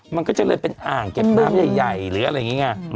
มันก็เลยเป็นอ่างเก็บน้ำใหญ่หรืออะไรอย่างนี้ไง